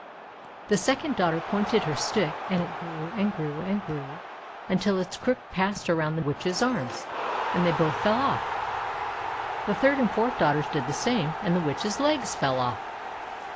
The second daughter pointed her stick, and it grew, and grew, and grew, until its crook passed around the Witch's arms, and they both fell off. The third and fourth daughters did the same, and the Witch's legs fell off.